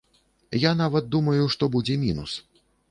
Я нават думаю, што будзе мінус.